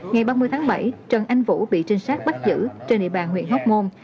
ngày ba mươi tháng bảy trần anh vũ bị trinh sát bắt giữ trên địa bàn huyện hóc môn